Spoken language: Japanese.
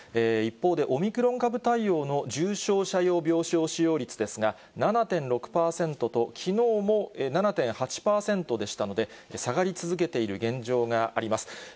一方でオミクロン株対応の重症者用病床使用率ですが、７．６％と、きのうも７．８％でしたので、下がり続けている現状があります。